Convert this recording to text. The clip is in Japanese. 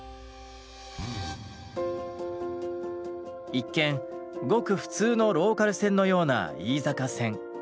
一見ごく普通のローカル線のような飯坂線。